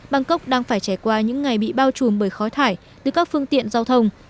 bangkok đang phải trải qua những ngày bị bao trùm bởi khói thải từ các phương tiện giao thông